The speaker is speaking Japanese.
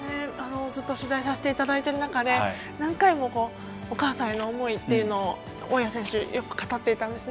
ずっと取材させていただいてる中で何回も、お母さんへの思いを大矢選手よく語っていたんですね。